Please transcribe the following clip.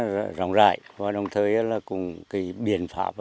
cũng phổ biến rộng rãi và đồng thời là cũng biện pháp